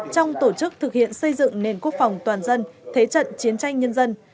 trong tổ chức thực hiện xây dựng nền quốc phòng toàn dân thế trận chiến tranh nhân dân